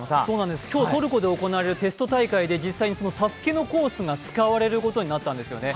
今日、トルコで行われるテスト大会で実際に「ＳＡＳＵＫＥ」のコースが使われることになったんですよね。